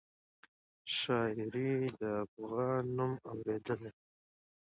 شاعري د افغان نوم اورېدلی دی.